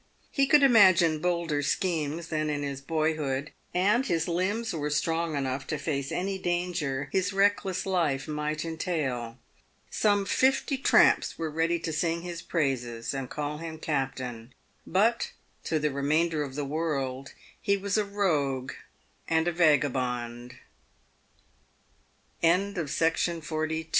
He could imagine bolder schemes than in his boyhood, and his limbs w r ere strong enough to face any danger his reckless life might entail. Some fifty tramps were ready to sing his praises and call him Captain, but to the re mainder of the world he was a